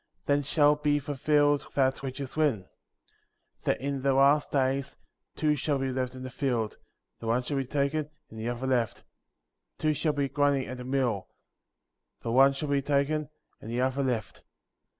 44. Then shall be fulfilled that which is written, that in the last days, two shall be in the field, the one shall be taken, and the other left ; 45. Two shall be grinding at the mill, the one shall be taken, and the other left ; 46.